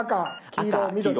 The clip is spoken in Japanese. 赤黄色緑。